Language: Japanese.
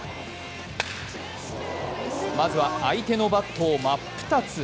まずは相手のバットを真っ二つ。